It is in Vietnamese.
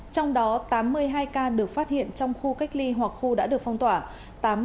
trong đó tám mươi hai ca được phát hiện trong khu cách ly hoặc khu đã được phong tỏa